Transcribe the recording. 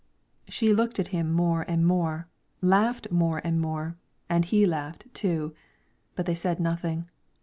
She looked at him more and more, laughed more and more, and he laughed, too; but they said nothing.